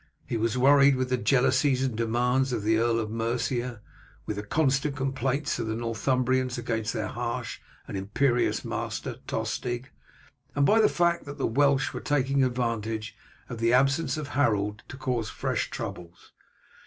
He was worried with the jealousies and demands of the Earl of Mercia, with the constant complaints of the Northumbrians against their harsh and imperious master Tostig, and by the fact that the Welsh were taking advantage of the absence of Harold to cause fresh troubles.